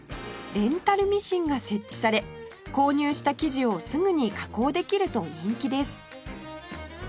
レンタルミシンが設置され購入した生地をすぐに加工できると人気です